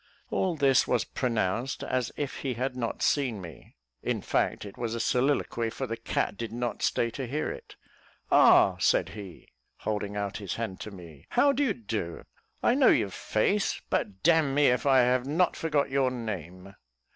All this was pronounced as if he had not seen me in fact, it was a soliloquy, for the cat did not stay to hear it. "Ah!" said he, holding out his hand to me, "how do you do? I know your face, but d n me if I have not forgot your name."